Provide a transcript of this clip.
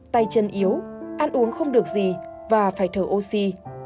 tay chân yếu ăn uống không được gì và phải thở oxy